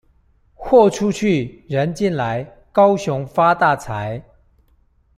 貨出去、人進來，高雄發大財！